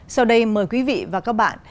sau đây mời quý vị và các bạn